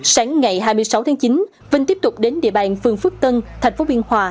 sáng ngày hai mươi sáu tháng chín vinh tiếp tục đến địa bàn phường phước tân thành phố biên hòa